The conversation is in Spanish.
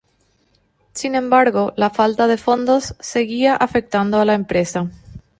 Sin embargo, la falta de fondos seguía afectando a la empresa.